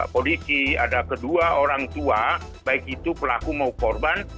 polisi ada kedua orang tua baik itu pelaku maupun korban